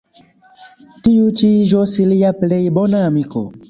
Tiu ĉi iĝos lia plej bona amiko.